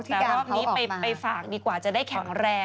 แต่รอบนี้ไปฝากดีกว่าจะได้แข็งแรง